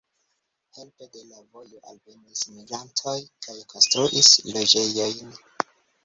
Helpe de la vojo alvenis migrantoj kaj konstruis loĝejojn.